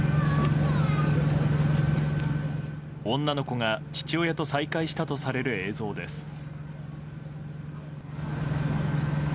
女の子が父親と再会したとされる映像です。